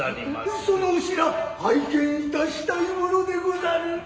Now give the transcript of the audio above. そのお品拝見致したいものでござる。